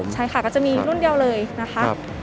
ใช่ค่ะก็จะมีรุ่นเดียวเลยนะคะ